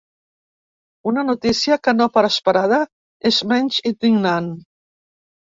Una notícia que no per esperada és menys indignant.